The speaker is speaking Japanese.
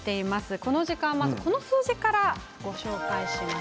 この時間この数字からご紹介します。